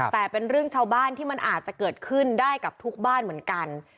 แต่เป็นเรื่องชาวบ้านที่มันอาจจะเกิดขึ้นได้กับทุกบ้านเหมือนกัน